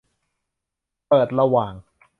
เปิดระหว่าง